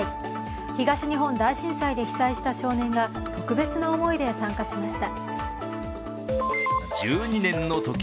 東日本大震災で被災した少年が特別な思いで参加しました。